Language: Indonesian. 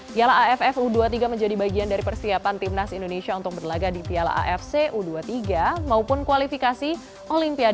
piala aff u dua puluh tiga menjadi bagian dari persiapan timnas indonesia untuk berlagak di piala afc u dua puluh tiga maupun kualifikasi olimpiade